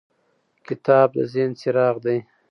کتاب د ذهن څراغ دی.